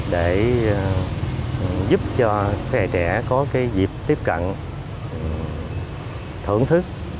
để giúp cho các thế hệ trẻ có dịp tiếp cận thưởng thức